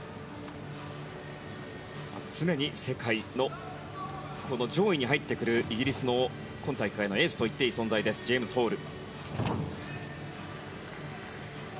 常に世界の上位に入ってくるイギリスの今大会のエースと言っていい存在です、ジェームズ・ホール。